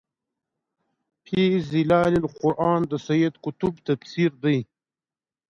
في ظِلال القُرآن د سيد قُطب تفسير دی